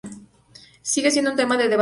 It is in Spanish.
Sigue siendo un tema de debate.